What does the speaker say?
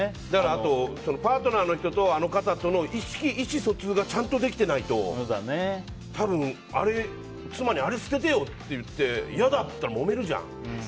あと、パートナーの人とあの方との意思疎通がちゃんとできてないと多分、妻にあれ捨ててよ！って言って、嫌だって言ったらもめるじゃん。